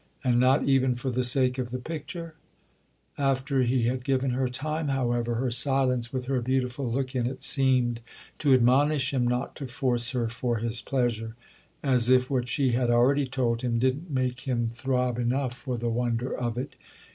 "And not even for the sake of the picture—?" After he had given her time, however, her silence, with her beautiful look in it, seemed to admonish him not to force her for his pleasure; as if what she had already told him didn't make him throb enough for the wonder of it.